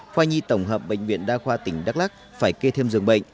khoa nhi tổng hợp bệnh viện đa khoa tỉnh đắk lắc phải kê thêm dường bệnh